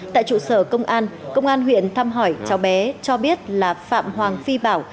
tại trụ sở công an công an huyện thăm hỏi cháu bé cho biết là phạm hoàng phi bảo